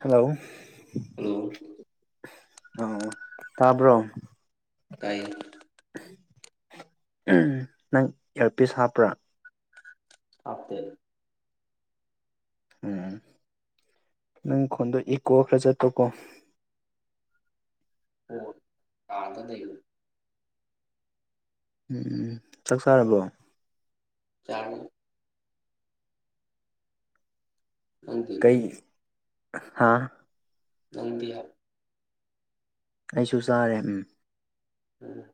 hello hello ꯑꯣ ꯇꯥꯕ꯭ꯔꯣ ꯇꯥꯏꯌꯦ ꯎꯝ ꯅꯪ ꯏꯌꯥꯔ ꯄꯤꯁ ꯍꯥꯞꯄ꯭ꯔꯥ ꯍꯥꯥꯞꯇꯦ ꯎꯝ ꯅꯪ ꯈꯣꯟꯗꯣ ꯏꯀꯣ ꯈꯥꯔ ꯆꯠꯄꯀꯣ ꯍꯣ ꯑꯣ ꯀꯥꯗ ꯂꯩꯕ ꯎꯝ ꯆꯥꯛ ꯆꯥꯔꯕꯣ ꯆꯥꯔꯦ ꯅꯪꯗꯤ ꯍꯥꯥ ꯅꯪꯗꯤ ꯍꯥꯏ ꯑꯩꯁꯨ ꯆꯥꯔꯦ ꯎꯝ ꯎꯝ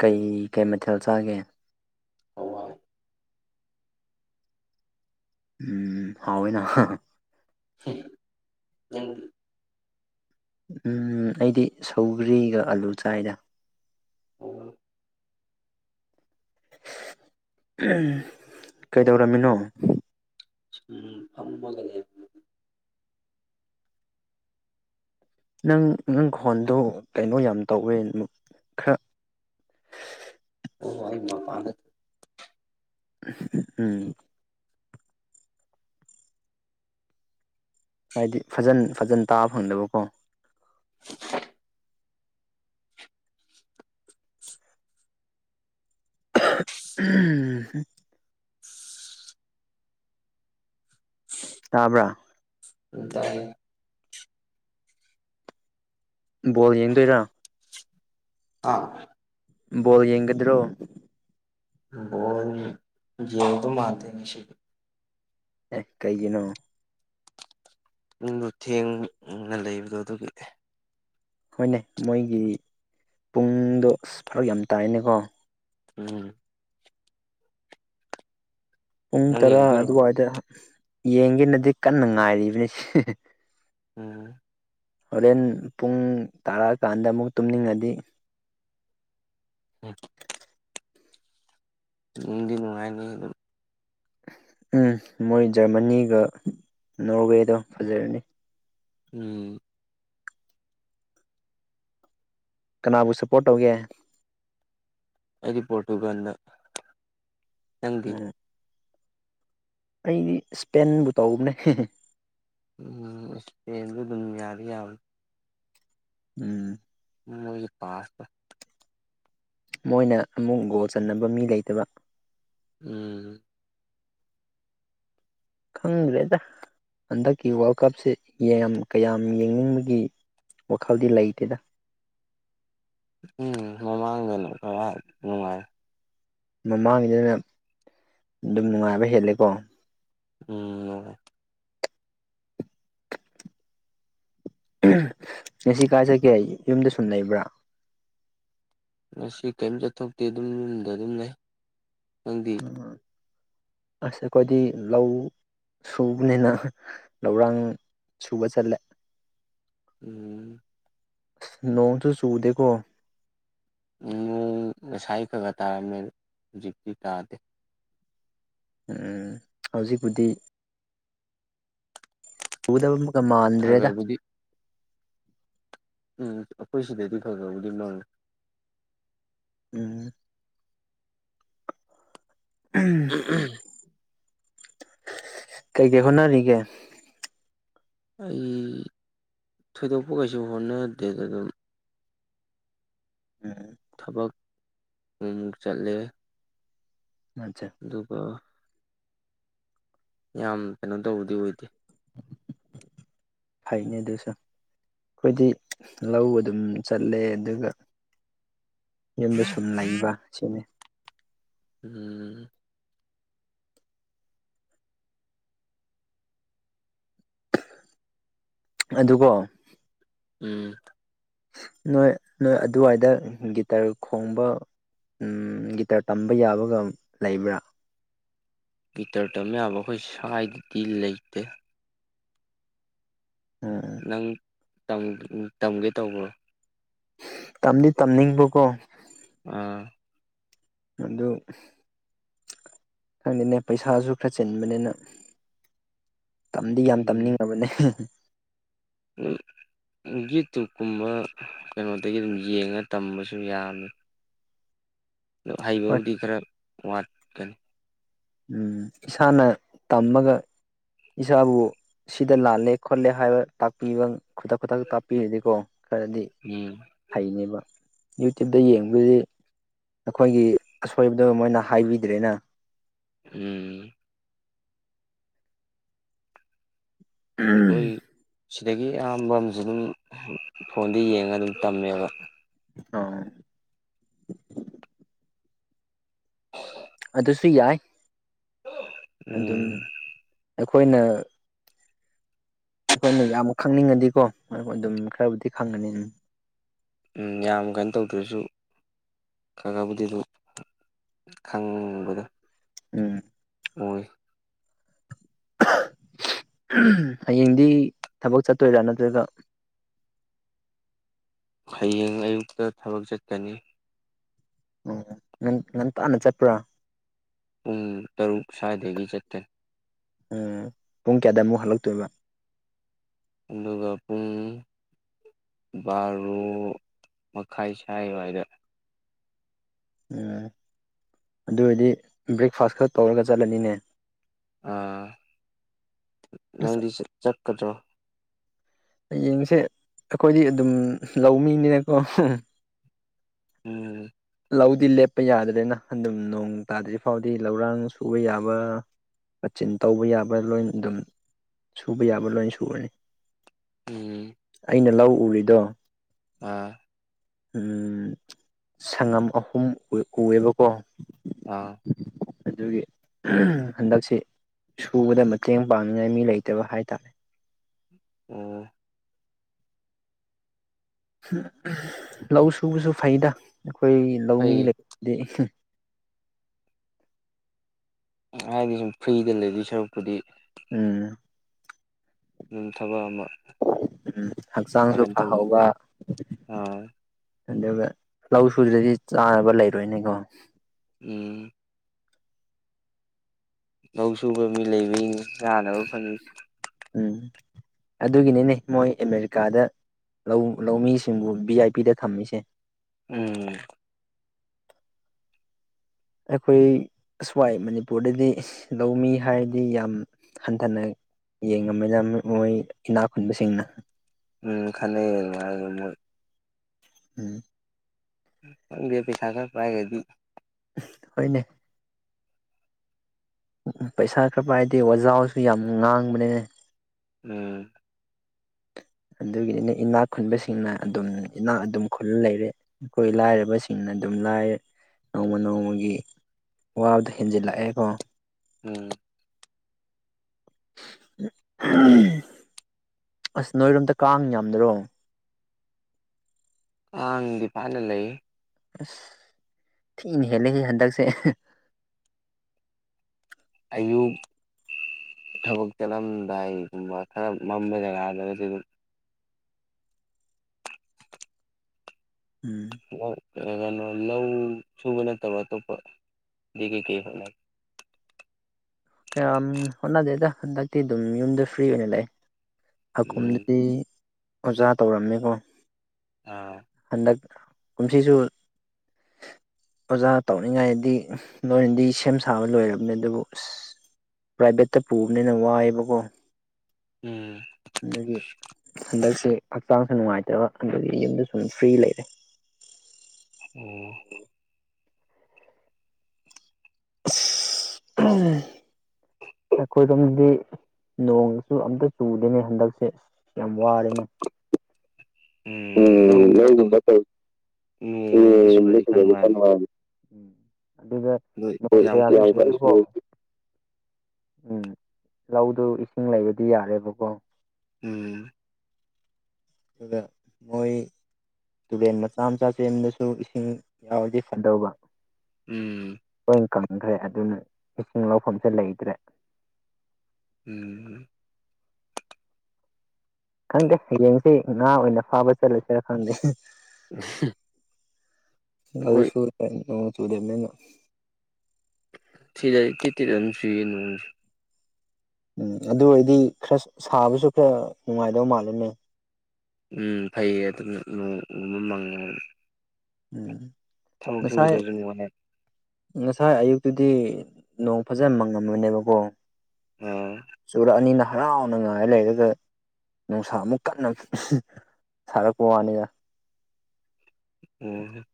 ꯀꯩ ꯀꯩ ꯃꯊꯦꯜ ꯆꯥꯒꯦ ꯍꯋꯥꯏ ꯎꯝ ꯍꯥꯎꯑꯦꯅ ꯍꯥ ꯍꯥ ꯍꯦ ꯅꯪꯗꯤ ꯎꯝ ꯑꯩꯗꯤ ꯁꯧꯒ꯭ꯔꯤꯒ ꯑꯂꯨ ꯆꯥꯏꯗ ꯑꯣ ꯎꯝ ꯀꯩꯗꯧꯔꯝꯃꯤꯅꯣ ꯁꯨꯝꯐꯝꯃꯒ ꯂꯩꯕ [unintelligible] ꯅꯪ ꯅꯪ ꯈꯣꯟꯗꯨ ꯀꯩꯅꯣ ꯌꯥꯝ ꯇꯧꯋꯦ ꯈꯥꯔ ꯑꯣ ꯑꯩ ꯃꯄꯥꯟꯗ ꯎꯝ ꯍꯥꯏꯗꯤ ꯐꯖꯟ ꯐꯖꯅ ꯇꯥꯕ ꯐꯪꯗꯕꯀꯣ ꯎꯝ ꯍꯝ ꯇꯥꯕ꯭ꯔꯥ ꯎꯝ ꯇꯥꯏ ꯑꯦ ꯕꯣꯜ ꯌꯦꯡꯗꯣꯏꯔ ꯑꯥ ꯕꯣꯜ ꯌꯦꯡꯒꯗ꯭ꯔꯣ ꯕꯣꯜ ꯌꯦꯡꯗꯧ ꯃꯥꯟꯗꯦ ꯉꯁꯤꯗꯤ ꯑꯦ ꯀꯩꯒꯤꯅꯣ ꯄꯨꯡꯗꯣ ꯊꯦꯡꯅ ꯂꯩꯕꯗꯣ ꯑꯗꯨꯒꯤ ꯍꯣꯏꯅꯦ ꯃꯣꯏꯒꯤ ꯄꯨꯡꯗꯣ ꯑꯁ ꯐꯔꯛ ꯌꯥꯝ ꯇꯥꯏꯅꯦꯀꯣ ꯎꯝ ꯄꯨꯡ ꯅꯪ ꯇꯔꯥ ꯌꯦꯡꯗꯣꯏꯔꯣ ꯑꯗꯨꯋꯥꯏꯗ ꯌꯦꯡꯒꯦꯅꯗꯤ ꯀꯟꯅ ꯉꯥꯏꯔꯤꯕꯅꯤ ꯁꯤ ꯍꯍ ꯎꯝ ꯍꯣꯔꯦꯟ ꯄꯨꯡ ꯇꯥꯔꯛꯑꯀꯥꯟꯗ ꯑꯃꯨꯛ ꯇꯨꯝꯅꯤꯡꯉꯗꯤ [inaudible] ꯅꯨꯗꯤ ꯅꯨꯡꯉꯥꯏꯅꯤ ꯑꯗꯨꯝ ꯎꯝ ꯃꯣꯏ ꯖꯔꯃꯅꯤꯒ ꯅꯣꯔꯋꯦꯗꯣ ꯐꯖꯔꯅꯤ ꯎꯝ ꯀꯅꯥꯕꯨ ꯁꯄꯣꯔꯠ ꯇꯧꯒꯦ ꯑꯩꯗꯤ ꯄꯣꯔꯇꯨꯒꯜꯗ ꯅꯪꯗꯤ ꯑꯩꯗꯤ ꯁ꯭ꯄꯦꯟꯕꯨ ꯇꯧꯕꯅꯦ ꯍꯦ ꯍꯦ ꯎꯝ ꯁ꯭ꯄꯦꯟꯁꯨ ꯑꯗꯨꯝ ꯌꯥꯗꯤ ꯌꯥꯕꯅꯦ ꯎꯝ ꯎꯟ ꯃꯣꯏꯒꯤ ꯄꯥꯁꯇꯣ ꯃꯣꯏꯅ ꯑꯃꯨꯛ ꯒꯣꯜ ꯆꯟꯅꯕ ꯃꯤ ꯂꯩꯇꯕ ꯎꯝ ꯈꯪꯗ꯭ꯔꯦꯗ ꯍꯟꯗꯛꯀꯤ ꯋꯥꯔꯜ ꯀꯞꯁꯦ ꯌꯥꯝ ꯀꯌꯥꯝ ꯌꯦꯡꯅꯤꯡꯕꯒꯤ ꯋꯥꯈꯜꯗꯤ ꯂꯩꯇꯦꯗ ꯎꯝ ꯃꯃꯥꯡꯗꯅ ꯈꯔ ꯅꯨꯡꯉꯥꯏ ꯃꯃꯥꯡꯒꯤꯗꯅ ꯑꯗꯨꯝ ꯅꯨꯡꯉꯥꯏꯕ ꯍꯦꯜꯂꯦꯀꯣ ꯎꯝ ꯅꯨꯡꯉꯥꯏ ꯉꯁꯤ ꯀꯥꯏꯆꯠꯀꯦ ꯌꯨꯝꯗ ꯁꯨꯝ ꯂꯩꯕ꯭ꯔꯥ ꯉꯁꯤ ꯀꯩꯝ ꯆꯠꯊꯣꯛꯇꯦ ꯗꯨꯝ ꯌꯨꯝꯗ ꯑꯗꯨꯝ ꯂꯩ ꯅꯪꯗꯤ ꯑꯁ ꯑꯈꯣꯏꯗꯤ ꯂꯧ ꯁꯨꯕꯅꯤꯅ ꯂꯧꯔꯥꯡ ꯁꯨꯕ ꯆꯠꯂꯦ ꯎꯝ ꯅꯣꯡꯁꯨ ꯆꯨꯗꯦꯀꯣ ꯎ ꯅꯣꯡ ꯉꯁꯥꯏ ꯈꯥ ꯈꯥ ꯇꯥꯔꯝꯃꯦ ꯍꯧꯖꯤꯛꯇꯤ ꯇꯥꯗꯦ ꯑꯝ ꯍꯧꯖꯤꯛꯄꯨꯗꯤ ꯆꯨꯗꯧꯃꯨꯛꯀ ꯈꯔ ꯃꯥꯟꯗ꯭ꯔꯦꯗ ꯈꯔꯕꯨꯗꯤ ꯎꯝ ꯑꯈꯣꯏ ꯁꯤꯗꯗꯤ ꯈꯥ ꯈꯥꯕꯨꯗꯤ ꯃꯪꯉꯦ ꯎꯝ ꯎꯝ ꯎꯝ ꯀꯩ ꯀꯩ ꯍꯣꯠꯅꯔꯤꯒꯦ ꯑꯩ ꯊꯣꯏꯗꯣꯛꯄ ꯀꯩꯁꯨ ꯍꯣꯠꯅꯗꯦꯗ ꯑꯗꯨꯝ ꯊꯕꯛ ꯑꯃꯨꯛ ꯃꯨꯛ ꯆꯠꯂꯦ ꯑꯗꯨꯒ ꯌꯥꯝ ꯀꯩꯅꯣ ꯇꯧꯕꯗꯤ ꯑꯣꯏꯗꯦ ꯐꯩꯅꯦ ꯑꯗꯨꯁꯨ ꯑꯈꯣꯏꯗꯤ ꯂꯧ ꯑꯗꯨꯝ ꯆꯠꯂꯦ ꯑꯗꯨꯒ ꯌꯨꯝꯗ ꯁꯨꯝ ꯂꯩꯕ ꯁꯤꯅꯤ ꯎꯝ ꯑꯗꯨꯀꯣ ꯎꯝ ꯅꯣꯏ ꯅꯣꯏ ꯑꯗꯨꯋꯥꯏꯗ ꯒꯤꯇꯔ ꯈꯣꯡꯕ ꯎꯝ ꯒꯤꯇꯥꯔ ꯇꯝꯕ ꯌꯥꯕꯒ ꯂꯩꯕ꯭ꯔꯥ ꯒꯤꯇꯔ ꯇꯝ ꯌꯥꯕ ꯑꯈꯣꯏ ꯁꯥꯏꯗꯗꯤ ꯂꯩꯇꯦ ꯅꯪ ꯇꯝ ꯇꯝꯒꯦ ꯇꯧꯕ꯭ꯔꯣ ꯇꯝꯗꯤ ꯇꯝꯅꯤꯡꯕꯀꯣ ꯑꯥ ꯑꯗꯨ ꯈꯪꯗꯦꯅꯦ ꯄꯩꯁꯥꯖꯨ ꯈꯔ ꯆꯤꯟꯕꯅꯤꯅ ꯇꯝꯗꯤ ꯌꯥꯝ ꯇꯝꯅꯤꯡꯉꯕꯅꯦ [inaudible] ꯌꯨꯇ꯭ꯌꯨꯞꯀꯨꯝꯕ ꯀꯩꯅꯣꯗꯒꯤ ꯑꯗꯨꯝ ꯌꯦꯡꯉ ꯇꯝꯕꯁꯨ ꯌꯥꯕꯅꯤ ꯗꯣ ꯍꯩꯕꯕꯨꯗꯤ ꯈꯔ ꯋꯥꯠꯀꯅꯤ ꯎꯝ ꯏꯁꯥꯅ ꯇꯝꯃꯒ ꯏꯁꯥꯕꯨ ꯁꯤꯗ ꯂꯥꯜꯂꯦ ꯈꯣꯠꯂꯦ ꯍꯥꯏꯕ ꯇꯥꯛꯄꯤꯕ ꯈꯨꯗꯛ ꯈꯨꯗꯛꯇ ꯇꯥꯛꯄꯤꯔꯗꯤꯀꯣ ꯈꯥꯔꯗꯤ ꯎꯝ ꯍꯩꯅꯤꯕ ꯌꯨꯇ꯭ꯌꯨꯞꯇ ꯌꯦꯡꯕꯗꯤ ꯑꯈꯣꯏꯒꯤ ꯑꯁꯣꯏꯕꯗꯣ ꯃꯣꯏꯅ ꯍꯥꯏꯕꯤꯗ꯭ꯔꯦꯅꯥ ꯎꯝ ꯑꯈꯣꯏ ꯁꯤ ꯁꯤꯗꯒꯤ ꯏꯌꯥꯝꯕ ꯑꯃꯖꯨ ꯑꯗꯨꯝ ꯐꯣꯟꯗ ꯌꯦꯡꯉꯒ ꯑꯗꯨꯝ ꯇꯝꯃꯦꯕ ꯑꯣ ꯇꯤ ꯌꯥꯏ ꯎꯝ ꯑꯈꯣꯏꯅ ꯑꯈꯣꯏꯅ ꯌꯥꯝ ꯈꯪꯅꯤꯡꯉꯗꯤꯀꯣ ꯍꯣꯏ ꯍꯣꯏ ꯑꯗꯨꯝ ꯈꯔꯕꯨꯗꯤ ꯈꯪꯒꯅꯤ ꯗꯨꯝ ꯎꯝ ꯌꯥꯝ ꯀꯩꯅꯣ ꯇꯧꯗ꯭ꯔꯖꯨ ꯈꯥ ꯈꯥꯕꯨꯗꯤ ꯑꯗꯨꯝ ꯈꯪꯕꯗ ꯎꯝ ꯑꯣꯏ ꯍꯌꯦꯡꯗꯤ ꯊꯕꯛ ꯆꯠꯇꯣꯏꯔꯥ ꯅꯠꯇ꯭ꯔꯒ [inaudible] ꯍꯌꯦꯡ ꯑꯌꯨꯛꯇ ꯊꯕꯛ ꯆꯠꯀꯅꯤ ꯑꯣ ꯅꯪ ꯉꯟꯇꯥꯅ ꯆꯠꯄ꯭ꯔꯥ ꯄꯨꯡ ꯇꯔꯨꯛ ꯁ꯭ꯋꯥꯏꯗꯒꯤ ꯆꯠꯇꯣꯏꯅ ꯎꯝ ꯄꯨꯡ ꯀꯌꯥꯗ ꯑꯃꯨꯛ ꯍꯜꯂꯛꯇꯣꯏꯕ ꯑꯗꯨꯒ ꯄꯨꯡ ꯕꯥꯔꯣ ꯃꯈꯥꯏ ꯁꯥꯏꯋꯥꯏꯗ ꯎꯝ ꯑꯗꯨ ꯑꯣꯏꯔꯗꯤ ꯕ꯭ꯔꯦꯛꯐꯥꯁ ꯈꯛ ꯇꯧꯔꯒ ꯆꯠꯂꯅꯤꯅꯦ ꯑꯥ ꯅꯪꯗꯤ ꯆꯠꯀꯗ꯭ꯔꯣ ꯌꯦꯡꯁꯦ ꯑꯈꯣꯏꯗꯤ ꯑꯗꯨꯝ ꯂꯧꯃꯤꯅꯤꯅꯀꯣ ꯎꯝ ꯂꯧꯗꯤ ꯂꯦꯞꯄ ꯌꯥꯗ꯭ꯔꯦꯅ ꯑꯗꯨꯝ ꯅꯣꯡ ꯇꯥꯗ꯭ꯔꯤ ꯐꯥꯎꯗꯤ ꯂꯧꯔꯥꯡ ꯁꯨꯕ ꯌꯥꯕ ꯃꯆꯤꯟ ꯇꯧꯕ ꯌꯥꯕ ꯂꯣꯏꯅ ꯑꯗꯨꯝ ꯁꯨꯕ ꯌꯥꯕ ꯂꯣꯏ ꯁꯨꯔꯅꯤ ꯎꯝ ꯑꯩꯅ ꯂꯧ ꯎꯔꯤꯗꯣ ꯑꯥ ꯎꯝ ꯁꯪꯉꯝ ꯑꯍꯨꯝ ꯎ ꯎꯑꯦꯕꯀꯣ ꯑꯥ ꯑꯗꯨꯒꯤ ꯍꯟꯗꯛꯁꯦ ꯁꯨꯕꯗ ꯃꯇꯦꯡ ꯄꯥꯡꯅꯤꯉꯥꯏ ꯃꯤ ꯂꯩꯇꯕ ꯍꯥꯏꯇꯥꯔꯦ ꯑꯣ ꯂꯧ ꯁꯨꯕꯁꯨ ꯐꯩꯗꯥ ꯑꯈꯣꯏꯒꯤ ꯂꯧꯃꯤ ꯐꯩ ꯂꯩꯕꯗꯤ [inaudible] ꯍꯥꯏꯗꯤ ꯁꯨꯝ ꯐ꯭ꯔꯤꯗ ꯂꯩꯗꯣꯏ ꯁꯔꯨꯛꯄꯨꯗꯤ ꯎꯝ ꯊꯕꯛ ꯑꯃ ꯎꯝ ꯍꯛꯆꯥꯡꯁꯨ ꯄꯥꯡꯒꯟ ꯇꯧꯕ ꯐꯍꯧꯕ ꯑꯥ ꯑꯗꯨꯒ ꯂꯧ ꯁꯨꯗ꯭ꯔꯗꯤ ꯆꯥꯅꯕ ꯂꯩꯔꯣꯏꯅꯦꯀꯣ ꯎꯝ ꯂꯧ ꯁꯨꯕ ꯃꯤ ꯂꯩꯕꯒꯤꯅꯤ ꯆꯥꯅꯕ ꯐꯪꯉꯤꯁꯤ ꯎꯝ ꯑꯗꯨꯒꯤꯅꯤꯅꯦ ꯃꯣꯏ ꯑꯃꯦꯔꯤꯀꯥꯗ ꯂꯧꯃꯤꯁꯤꯡꯕꯨ ꯚꯤ ꯑꯥꯏ ꯄꯤꯗ ꯊꯝꯃꯤꯁꯦ ꯎꯝ ꯑꯈꯣꯏ ꯑꯁꯋꯥꯏ ꯃꯅꯤꯄꯨꯔꯗꯗꯤ ꯂꯧꯃꯤ ꯍꯥꯏꯔꯗꯤ ꯌꯥꯝ ꯍꯟꯊꯅ ꯌꯦꯡꯉꯝꯃꯤꯅ ꯃꯣꯏ ꯏꯅꯥꯛ ꯈꯨꯟꯕꯁꯤꯡꯅ ꯎꯝ ꯈꯅꯩ ꯑꯗꯨꯃꯥꯏꯗꯨꯝ ꯃꯣꯏ ꯎꯝ ꯈꯪꯗꯦ ꯄꯩꯁꯥ ꯈꯔ ꯄꯥꯏꯒꯗꯨ ꯍꯣꯢꯅꯦ ꯄꯩꯁꯥ ꯈꯔ ꯄꯥꯏꯔꯗꯤ ꯋꯥꯖꯥꯎꯁꯨ ꯌꯥꯝ ꯉꯥꯡꯕꯅꯦꯍꯦ ꯎꯝ ꯑꯗꯨꯒꯤꯅꯤꯅꯦ ꯏꯅꯥꯛ ꯈꯨꯟꯕꯁꯤꯡꯅ ꯑꯗꯨꯝ ꯏꯅꯥꯛ ꯑꯗꯨꯝ ꯈꯨꯜꯂ ꯂꯩꯔꯦ ꯑꯩꯈꯣꯏ ꯂꯥꯏꯔꯕꯁꯤꯡꯅ ꯑꯗꯨꯝ ꯑꯗꯨꯝ ꯂꯥꯏꯔꯦ ꯅꯣꯡꯃ ꯅꯣꯡꯃꯒꯤ ꯋꯥꯕꯗꯣ ꯍꯦꯟꯖꯤꯜꯂꯛꯑꯦꯀꯣ ꯎꯝ ꯑꯁ ꯅꯣꯏꯔꯣꯝꯇ ꯀꯥꯡ ꯌꯥꯝꯗ꯭ꯔꯣ ꯀꯥꯡꯗꯤ ꯐꯖꯅ ꯂꯩꯌꯦ ꯑꯁ ꯊꯤꯅ ꯍꯦꯜꯂꯦꯁꯦ ꯍꯟꯗꯛꯁꯦ ꯑꯌꯨꯛ ꯊꯕꯛ ꯆꯠꯂꯝꯗꯥꯏꯒꯨꯝꯕ ꯈꯔ ꯃꯝꯕ ꯖꯒꯥꯗꯗꯤ ꯑꯗꯨꯝ [unintelligible] ꯀꯩꯅꯣ ꯂꯧ ꯁꯨꯕ ꯅꯠꯇꯕ ꯑꯇꯣꯞꯄ ꯗꯤ ꯀꯩ ꯀꯩ ꯍꯣꯠꯅꯒꯦ ꯀꯌꯥꯝ ꯍꯣꯠꯅꯗꯦꯗ ꯍꯟꯗꯛꯇꯤ ꯑꯗꯨꯝ ꯌꯨꯝꯗ ꯐ꯭ꯔꯤ ꯑꯣꯏꯅ ꯂꯩ ꯎꯝ ꯍꯥꯀꯨꯝꯗꯗꯤ ꯑꯣꯖꯥ ꯇꯧꯔꯝꯃꯦꯀꯣ ꯑꯥ ꯍꯟꯗꯛ ꯀꯨꯝꯁꯤꯁꯨ ꯑꯣꯖꯥ ꯇꯧꯅꯤꯡꯉꯥꯏꯗꯤ ꯂꯣꯏꯅꯗꯤ ꯁꯦꯝ ꯁꯥꯕ ꯂꯣꯏꯔꯕꯅꯦ ꯑꯗꯨꯕꯨ ꯄ꯭ꯔꯥꯏꯚꯦꯠꯇ ꯄꯨꯕꯅꯤꯅ ꯋꯥꯏꯑꯦꯕꯀꯣ ꯎꯝ ꯑꯗꯒꯤ ꯍꯟꯗꯛꯁ ꯁꯦ ꯍꯛꯆꯥꯡꯁꯨ ꯅꯨꯡꯉꯥꯏꯇꯕ ꯑꯗꯨꯒꯤ ꯌꯨꯝꯗ ꯁꯨꯝ ꯐ꯭ꯔꯤ ꯂꯩꯔꯦ ꯑꯣ ꯑꯁ ꯑꯍꯝ ꯅꯈꯣꯏ ꯔꯣꯝꯗꯗꯤ ꯅꯣꯡꯁꯨ ꯑꯝꯇ ꯆꯨꯗꯦꯅꯦ ꯍꯟꯗꯛꯁꯦ ꯌꯥꯝ ꯋꯥꯔꯦꯅꯦ ꯎꯝ ꯂꯧꯒꯨꯝꯕ ꯇꯧ ꯅꯣꯡꯒꯨꯝꯕ ꯆꯨꯔꯗꯤ ꯈꯔ ꯅꯨꯡꯉꯥꯏꯕꯅꯤ [unintelligible] ꯎꯝ ꯑꯗꯨꯗ ꯑꯗꯣ ꯃꯇꯦꯛ ꯃꯌꯥꯗꯤ ꯀꯟꯅ ꯌꯥꯝ ꯀꯜꯅ ꯆꯨꯔꯁꯨ ꯆꯨꯢ ꯎꯝ ꯂꯧꯗꯨ ꯏꯁꯤꯡ ꯂꯩꯕꯗꯤ ꯌꯥꯔꯦꯕꯀꯣ ꯎꯝ ꯗꯨꯗ ꯃꯣꯏ ꯇꯨꯔꯦꯟ ꯃꯆꯥ ꯃꯆꯥ ꯆꯦꯟꯕꯁꯨ ꯏꯁꯤꯡ ꯌꯥꯎꯔꯗꯤ ꯐꯗꯧꯕ ꯎꯝ ꯂꯣꯢ ꯀꯪꯈ꯭ꯔꯦ ꯑꯗꯨꯅ ꯏꯁꯤꯡ ꯂꯧꯐꯝꯁꯦ ꯂꯩꯇ꯭ꯔꯦ ꯎꯝ ꯈꯪꯗꯦ ꯍꯌꯦꯡꯁꯤ ꯉꯥ ꯑꯣꯏꯅ ꯐꯥꯕ ꯆꯠꯂꯨꯁꯤꯔ ꯈꯪꯗꯦ ꯎꯍꯝ ꯑꯗꯨꯁꯨ [unintelligible] ꯅꯣꯡ ꯆꯨꯗꯤꯅꯤꯅꯥ ꯁꯤꯗꯗꯤ ꯇꯤꯠ ꯇꯤꯠ ꯑꯗꯨꯝ ꯆꯨꯏꯌꯦ ꯅꯣꯡꯁꯦ ꯎꯝ ꯑꯗꯨ ꯑꯣꯏꯔꯗꯤ ꯈꯔ ꯁꯥꯕꯁꯨ ꯈꯔ ꯅꯨꯡꯉꯥꯏꯗꯧ ꯃꯥꯜꯂꯤꯅꯦ ꯎꯝ ꯐꯩꯌꯦ ꯑꯗꯨꯅ ꯅꯣꯡ ꯒꯨꯝꯕ ꯃꯪꯉꯒ ꯎꯝ ꯊꯕꯛ ꯁꯨꯕꯗꯁꯨ ꯅꯨꯡꯉꯥꯏꯌꯦ ꯉꯁꯥꯏ ꯑꯌꯨꯛꯇꯗꯤ ꯅꯣꯡ ꯐꯖꯅ ꯃꯪꯉꯝꯕꯅꯦꯕꯀꯣ ꯑꯥ ꯆꯨꯔꯛꯑꯅꯤꯅ ꯍꯔꯥꯎꯅꯉꯥꯏ ꯂꯩꯔꯒ ꯅꯨꯡꯁꯥ ꯑꯃꯨꯛ ꯀꯟꯅ ꯁꯥꯔꯛꯄ ꯋꯥꯅꯤꯅ ꯎꯝ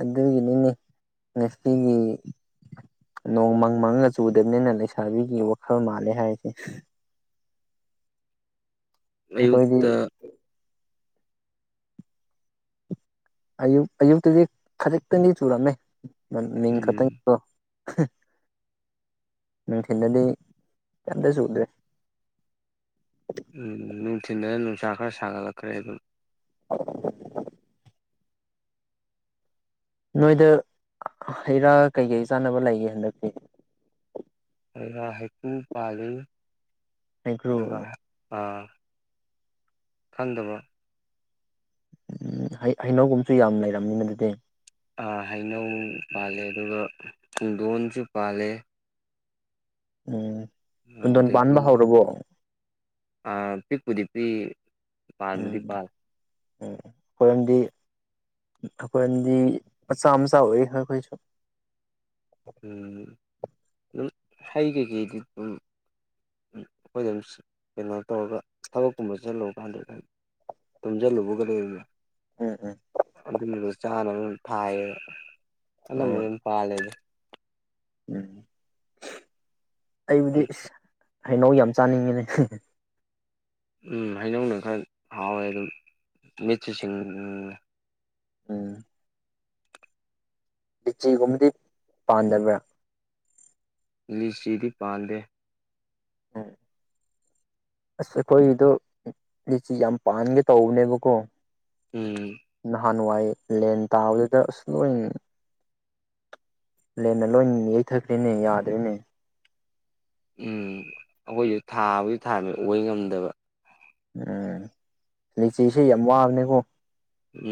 ꯑꯗꯨꯒꯤꯅꯤꯅꯦ ꯉꯁꯤꯒꯤ ꯅꯣꯡ ꯃꯪ ꯃꯪꯒ ꯆꯨꯗꯕꯅꯤꯅ ꯂꯩꯁꯥꯕꯤꯒꯤ ꯋꯥꯈꯜ ꯃꯥꯜꯂꯦ ꯍꯥꯏꯔꯁꯦ ꯑꯌꯨꯛꯇ ꯑꯌꯨꯛ ꯑꯌꯨꯛꯇꯗꯤ ꯈꯖꯤꯛꯇꯪꯗꯤ ꯆꯨꯔꯝꯃꯦ ꯃꯤꯡ ꯈꯛꯇꯪ ꯎꯝ ꯒꯤꯀꯣ [unintelligible] ꯅꯨꯡꯊꯤꯜꯗꯗꯤ ꯀꯩꯝꯗꯁꯨ ꯎꯗ꯭ꯔꯦ ꯎꯝ ꯅꯨꯡꯊꯤꯟꯗꯅ ꯅꯨꯡꯁꯥ ꯈꯔ ꯁꯥꯒꯠꯂꯛꯈ꯭ꯔꯦ ꯑꯗꯨꯝ [inaudible] ꯅꯣꯏꯗ ꯍꯩ ꯔꯥ ꯀꯩꯀꯩ ꯆꯥꯅꯕ ꯂꯩꯒꯦ ꯍꯟꯗꯛꯇꯤ ꯍꯩꯔꯥ ꯍꯩꯀꯨ ꯄꯥꯜꯂꯤ ꯑꯗꯨꯒ ꯑꯥ ꯈꯪꯗꯕ ꯎꯝ ꯍꯩꯅꯧꯒꯨꯝꯁꯨ ꯌꯥꯝ ꯂꯩꯔꯝꯅꯤꯅ ꯑꯗꯨꯗꯤ ꯑꯥ ꯍꯩꯅꯧ ꯄꯥꯜꯂꯦ ꯑꯗꯨꯒ ꯄꯨꯡꯗꯣꯟꯖꯨ ꯄꯥꯜꯂꯦ ꯎꯝ ꯄꯨꯡꯗꯣꯟ ꯑꯗꯒꯤ ꯄꯥꯟꯕ ꯍꯧꯔꯕꯣ ꯑꯥ ꯄꯤꯛꯄꯨꯗꯤ ꯄꯤꯏ ꯄꯥꯟꯕꯨꯗꯤ ꯄꯥꯜꯂꯦ ꯑꯣ ꯈꯣꯏꯔꯣꯝꯗꯤ ꯑꯩꯈꯣꯏꯑꯝꯗꯤ ꯃꯆꯥ ꯃꯆꯥ ꯑꯣꯏꯌꯦ ꯑꯈꯣꯏꯁꯨ ꯎꯝ ꯑꯗꯨꯝ ꯍꯩ ꯀꯩ ꯀꯩꯗꯤ ꯑꯗꯨꯝ ꯑꯩꯈꯣꯏꯗ ꯑꯗꯨꯝ ꯀꯩꯅꯣ ꯇꯧꯔꯒ ꯊꯕꯛꯀꯨꯝꯕ ꯆꯠꯂꯨꯕꯀꯥꯟꯗ ꯑꯗꯨꯝ ꯇꯨꯝꯁꯤꯜꯂꯨꯕ ꯀꯗꯧꯅꯣ ꯑꯗꯨꯗꯨꯅ ꯆꯥꯅꯕ ꯌꯥꯝ ꯊꯥꯏꯌꯦ ꯑꯅꯝꯕꯅ ꯄꯥꯜꯂꯦꯗ ꯎꯝ ꯑꯩꯕꯨꯗꯤ ꯑꯩ ꯍꯩꯅꯧ ꯌꯥꯝ ꯆꯥꯅꯤꯡꯉꯤꯅꯦ ꯎꯝ ꯍꯩꯅꯧꯅ ꯈꯔ ꯍꯥꯎꯋꯦ ꯑꯗꯨꯝ ꯃꯤꯠꯁꯨ ꯁꯤꯡ ꯎꯝ ꯂꯤꯕꯤꯆꯤꯒꯨꯝꯕꯗꯤ ꯄꯥꯟꯗꯕ꯭ꯔꯥ ꯂꯤꯆꯤꯗꯤ ꯄꯥꯟꯗꯦ ꯎꯝ ꯑꯁ ꯑꯩꯈꯣꯏꯒꯤꯗꯣ ꯂꯤꯆꯤ ꯌꯥꯝ ꯄꯥꯟꯒꯦ ꯇꯧꯕꯅꯦꯕꯀꯣ ꯎꯝ ꯅꯍꯥꯟꯋꯥꯏ ꯂꯦꯟ ꯇꯥꯕꯗꯨꯗ ꯑꯁ ꯂꯣꯏ ꯂꯦꯟꯅ ꯂꯣꯏ ꯌꯩꯊꯠꯈ꯭ꯔꯦꯅꯦ ꯌꯥꯗ꯭ꯔꯦꯅꯦ ꯎꯝ ꯑꯩꯈꯣꯏꯁꯨ ꯊꯥꯕꯨꯗꯤ ꯊꯥꯏꯕ ꯑꯣꯏ ꯉꯝꯗꯕ ꯎꯝ ꯂꯥꯆꯤꯁꯦ ꯌꯥꯝ ꯋꯥꯕꯅꯦꯀꯣ